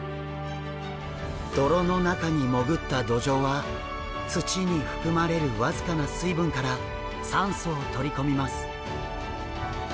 泥の中に潜ったドジョウは土に含まれる僅かな水分から酸素を取り込みます。